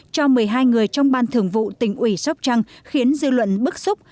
cho một mươi hai người trong ban thường vụ tỉnh ủy sóc trăng khiến dư luận bức xúc